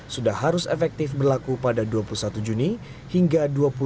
sudah harus efektif berlaku pada dua puluh satu juni hingga dua puluh dua